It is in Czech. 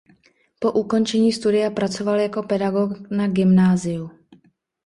Po ukončení studia pracoval jako pedagog na gymnáziu.